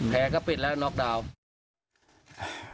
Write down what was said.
ก็ปิดแล้วน็อกดาวน์